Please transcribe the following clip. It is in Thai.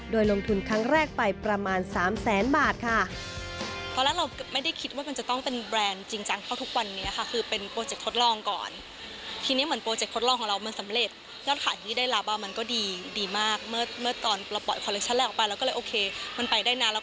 โดยลงทุนครั้งแรกไปประมาณ๓แสนบาทค่ะ